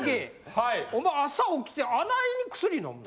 はい。お前朝起きてあないに薬飲む？